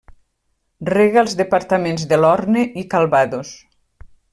Rega els departaments de l'Orne i Calvados.